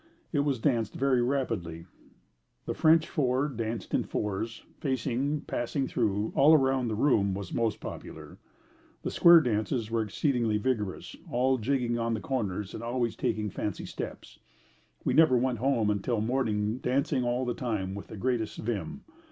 It was danced very rapidly. The French four, danced in fours, facing, passing through, all around the room, was most popular. The square dances were exceedingly vigorous, all jigging on the corners and always taking fancy steps. We never went home until morning, dancing all the time with the greatest vim.